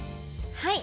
はい。